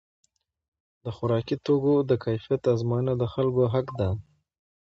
د خوراکي توکو د کیفیت ازموینه د خلکو حق دی.